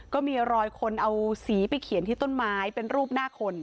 ก็มีรอยคนเอาสีไปเขียนที่ต้นไม้เป็นรูปหน้าคน